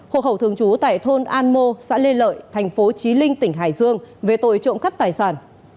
hộ khẩu thường trú tại thôn an mô xã lê lợi thành phố trí linh tỉnh hải dương về tội trộm cắp tài sản